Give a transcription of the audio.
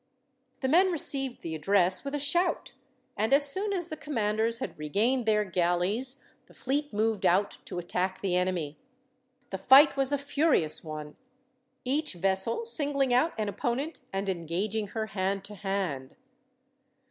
The men received the address with a shout, and as soon as the commanders had regained their galleys, the fleet moved out to attack the enemy. The fight was a furious one, each vessel singling out an opponent and engaging her hand to hand.